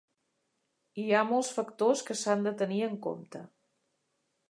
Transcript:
Hi ha molts factors que s’han de tenir en compte.